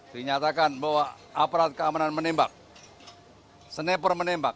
dinyatakan bahwa aparat keamanan menembak sniper menembak